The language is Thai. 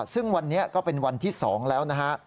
ซึ่งวันนี้ก็เป็นวันที่๒แล้วนะฮะ